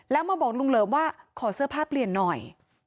แล้วมาบอกลุงเหลิมว่าขอเสื้อผ้าเปลี่ยนหน่อย